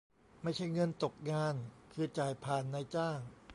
ไม่ใช่เงินตกงาน คือจ่ายผ่านนายจ้าง